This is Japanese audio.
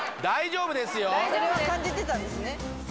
大丈夫ですそれは感じてたんですね